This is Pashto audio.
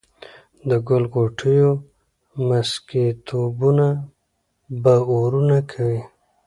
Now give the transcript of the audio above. د ګل غوټو مسكيتوبونه به اورونه کوي